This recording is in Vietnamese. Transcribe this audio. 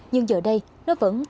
nhưng giờ đây nó vẫn tiếp tục